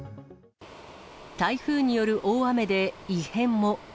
台風による大雨で異変も。